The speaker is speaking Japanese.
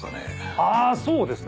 あそうですね！